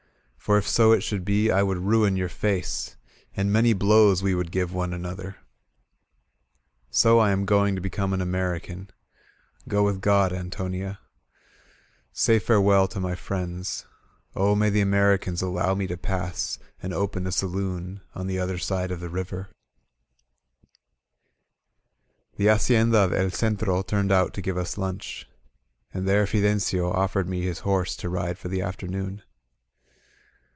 For if so it should be, I would ruin your face. And many blows we would give one another. So I am going to become an American. Go with God, Antonia. 94 LA TROPA ON THE MARCH Say farewell to my friends. O may the Americans allow me to pass And open a saloon On the other side of the River F* The Hacienda of El Centro turned out to give us lunch. And there Fidencio o£Fered me his horse to ride for the afternoon.